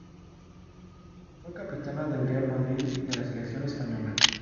Fue capitana del Real Madrid y de la selección española.